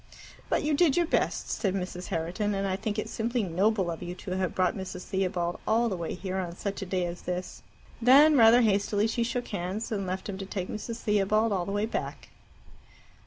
"But you did your best," said Mrs. Herriton. "And I think it simply noble of you to have brought Mrs. Theobald all the way here on such a day as this." Then, rather hastily, she shook hands, and left him to take Mrs. Theobald all the way back.